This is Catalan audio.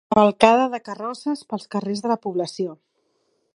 Cavalcada de carrosses pels carrers de la població.